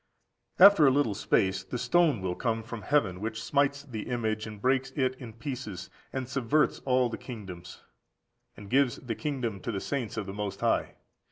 14541454 Dan. vii. 21, 11. 26. After a little space the stone14551455 Dan. ii. 34, 45. will come from heaven which smites the image and breaks it in pieces, and subverts all the kingdoms, and gives the kingdom to the saints of the Most High.